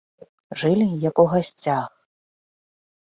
Жылі, як у гасцях.